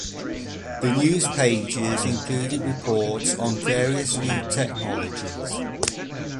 The news pages included reports on various new technologies.